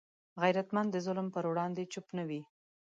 غیرتمند د ظلم پر وړاندې چوپ نه وي